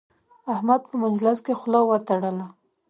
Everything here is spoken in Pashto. احمد په مجلس کې خول وتړله.